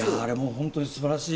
本当に素晴らしい。